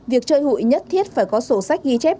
việc chơi hụi nhất thiết phải có sổ sách ghi chép